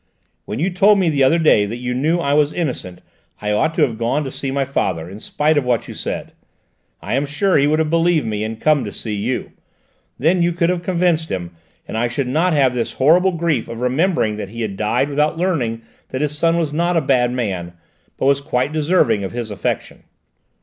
"When you told me the other day that you knew I was innocent, I ought to have gone to see my father, in spite of what you said. I am sure he would have believed me and come to see you; then you could have convinced him, and I should not have this horrible grief of remembering that he had died without learning that his son was not a bad man, but was quite deserving of his affection."